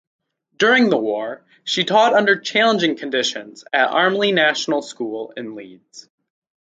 During the war she taught under challenging conditions at Armley National School in Leeds.